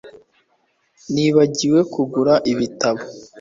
Nibagiwe kugura igitabo